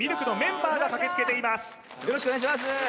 ＬＫのメンバーが駆けつけています